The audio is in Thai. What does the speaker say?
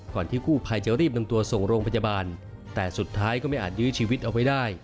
ที่กู้ภัยจะรีบนำตัวส่งโรงพยาบาลแต่สุดท้ายก็ไม่อาจยื้อชีวิตเอาไว้ได้